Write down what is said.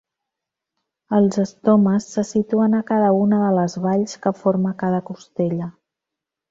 Els estomes se situen a cada una de les valls que forma cada costella.